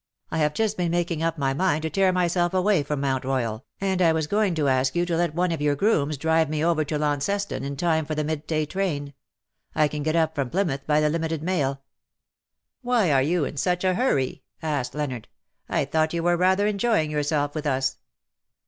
I have just been making up my mind to tear myself away from Mount Royal^ and I was going to ask you to let one of your grooms drive me over to Launceston in time for the mid day train. I can get up from Plymouth by the Limited Mail.'' '^Why are you in such a hurry?'' asked Leonard. "I thought you were rather enjoying yourself with us."